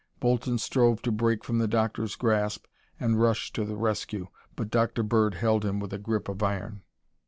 Bolton strove to break from the doctor's grasp and rush to the rescue but Dr. Bird held him with a grip of iron.